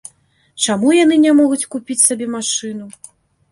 Чаму яны не могуць купіць сабе машыну?